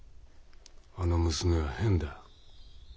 あの娘は変だ。